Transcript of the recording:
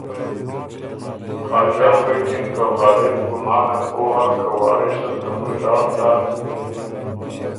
خاجان غوېکِن که ”غالب ګمانم او هۀ که وارث ال ته مُرداړ تاک